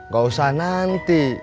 gak usah nanti